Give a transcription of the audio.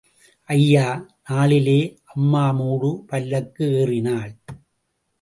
ஐயா நாளிலே அம்மா மூடு பல்லக்கு ஏறினாள்.